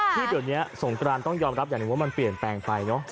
ที่เดี๋ยวนี้สงกรานต้องยอมรับอย่างหนึ่งว่ามันเปลี่ยนแปลงไปเนอะ